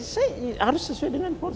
saya harus sesuai dengan